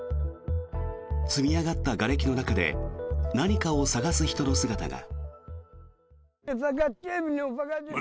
積み上がったがれきの中で何かを探す人の姿が。